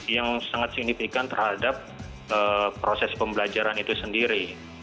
yang sangat signifikan terhadap proses pembelajaran itu sendiri